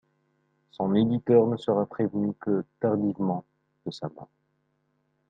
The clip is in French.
Son éditeur ne sera prévenu que tardivement de sa mort.